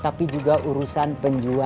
tapi juga urusan penjualannya